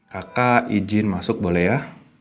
kakak izin masuk boleh ya